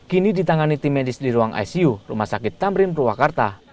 kini ditangani tim medis di ruang icu rumah sakit tamrin purwakarta